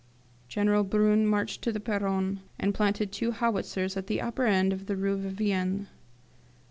General Brune marched to the Perron, and planted two howitzers at the upper end of the Rue Vivienne.